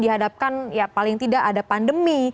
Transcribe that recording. dihadapkan ya paling tidak ada pandemi